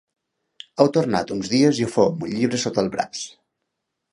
Heu tornat uns dies i ho feu amb un llibre sota el braç.